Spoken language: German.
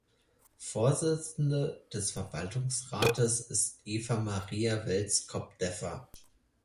Vorsitzende des Verwaltungsrates ist Eva Maria Welskop-Deffaa.